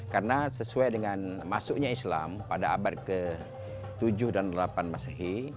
karena sesuai dengan masuknya islam pada abad ke tujuh dan ke delapan masehi